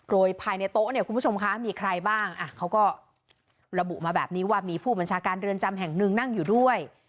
โดยภายในโต๊ะเนี่ยคุณผู้ชมคะมีใครบ้างเขาก็ระบุมาแบบนี้ว่ามีผู้บัญชาการเรือนจำแห่งหนึ่งนั่งอยู่ด้วย